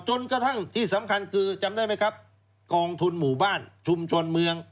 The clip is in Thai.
จนกระทั่งที่สำคัญคือจำได้ไหมครับกองทุนหมู่บ้านชุมชนเมือง